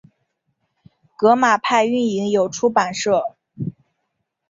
革马派运营有出版社。